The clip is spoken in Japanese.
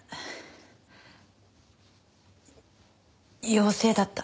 陽性だった。